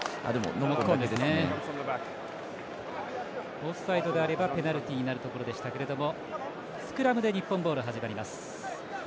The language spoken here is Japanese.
オフサイドがあればペナルティになるところでしたけどもスクラムで日本ボール始まります。